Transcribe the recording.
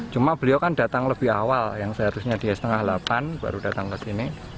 cuma beliau kan datang lebih awal yang seharusnya dia setengah delapan baru datang ke sini